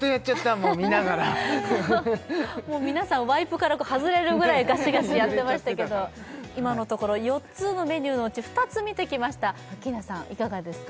もう見ながらもう皆さんワイプから外れるぐらいガシガシやってましたけど今のところ４つのメニューのうち２つ見てきましたアッキーナさんいかがですか？